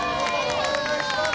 お願いします